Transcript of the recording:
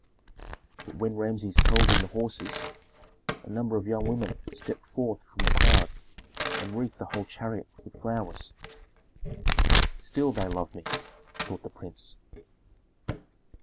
But when Rameses held in the horses, a number of young women stepped forth from the crowd and wreathed the whole chariot with flowers. "Still they love me!" thought the prince.